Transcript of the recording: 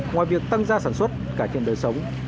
ngoài việc tăng gia sản xuất cải thiện đời sống